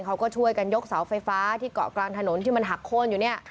เขาก็ช่วยกันยกเสาไฟฟ้าที่เกาะกลางถนนที่มันหักโค้นอยู่เนี่ย